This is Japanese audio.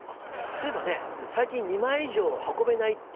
そういえばね最近２枚以上運べないっていう問題が。